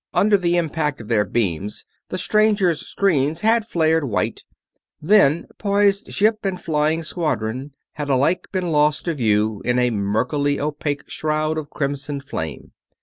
Under the impact of their beams, the stranger's screens had flared white, then poised ship and flying squadron had alike been lost to view in a murkily opaque shroud of crimson flame.